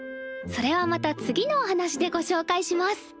それはまた次のお話でごしょうかいします。